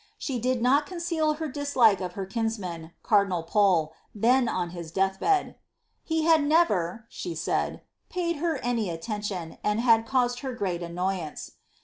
She diil not con ceal her dislike of her kinsman, cardinal Pole, then on his death bed. ^ He had never," she said, *' paid her any attention, and had caused her ereat annoyance."